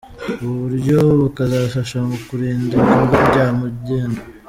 Ubu buryo bukazafasha mu kurinda ibikorwa bya magendu.